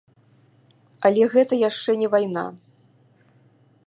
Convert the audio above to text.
Але гэта яшчэ не вайна.